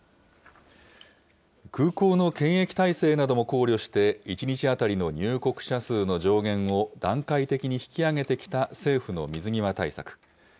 空港の検疫体制なども考慮して、１日当たりの入国者数の上限を、段階的に引き上げてきた政府の水際対策。